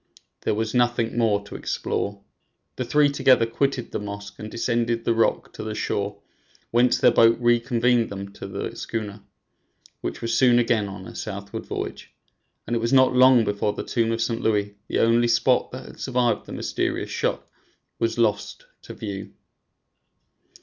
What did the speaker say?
There was nothing more to explore. The three together quitted the mosque, and descended the rock to the shore, whence their boat re conveyed them to the schooner, which was soon again on her southward voyage; and it was not long before the tomb of St. Louis, the only spot that had survived the mysterious shock, was lost to view.